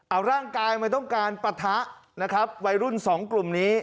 เอาร่างกายมันต้องการปะทะนะครับวัยรุ่นสองกลุ่มนี้